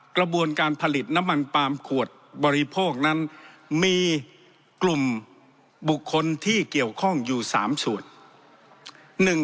กระบวนการผลิตน้ำมันปาล์มขวดบริโภคนั้นมีกลุ่มบุคคลที่เกี่ยวข้องอยู่๓ส่วน